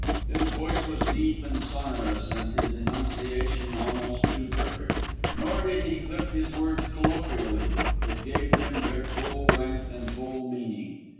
His voice was deep and sonorous and his enunciation almost too perfect; nor did he clip his words colloquially, but gave them their full length and full meaning.